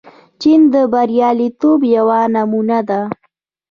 چین د بریالیتوب یوه نمونه ده.